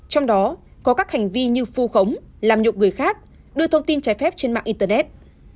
trong đó có các hành vi như vu khống làm nhục người khác đưa thông tin trái phép trên mạng internet